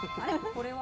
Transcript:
これは？